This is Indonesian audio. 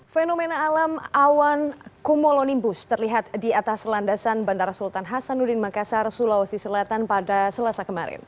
fenomena alam awan kumolonimbus terlihat di atas landasan bandara sultan hasanuddin makassar sulawesi selatan pada selasa kemarin